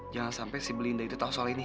jangan sampe si belinda itu tau soal ini ya